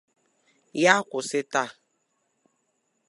Ya kwụsị taa